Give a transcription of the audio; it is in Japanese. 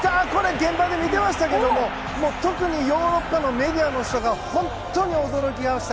現場で見てましたけど特にヨーロッパのメディアの人が本当に驚きました。